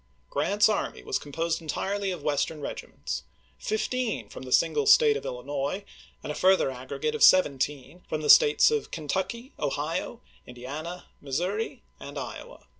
Grant's army was composed entii'ely of Western regi ments; fifteen from the single State of Illinois, and a further aggregate of seventeen from the States of Kentucky, Ohio, Indiana, Missouri, and Iowa.